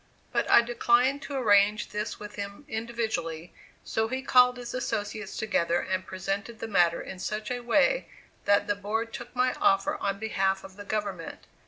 But I declined to arrange this with him individually, so he called his associates together and presented the matter in such a way that the board took my offer on behalf of the government.